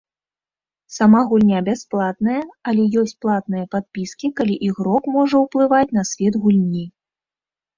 Сама гульня бясплатная, але ёсць платныя падпіскі, калі ігрок можа ўплываць на свет гульні.